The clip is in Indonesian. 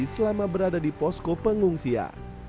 selama berada di posko pengungsian